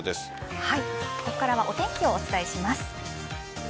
ここからはお天気をお伝えします。